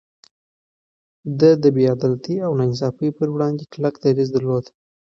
ده د بې عدالتۍ او ناانصافي پر وړاندې کلک دريځ درلود.